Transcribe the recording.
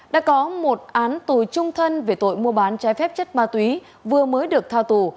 đã có một án tù trung thân về tội mua bán trái phép chất ma túy vừa mới được tha tù